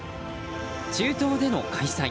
中東での開催